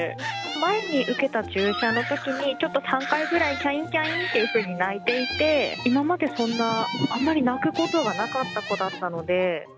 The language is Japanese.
前に受けた注射のときに、ちょっと３回くらい、きゃいん、きゃいんというふうに鳴いていて、今まで、そんな、あまり鳴くことがなかった子だったので。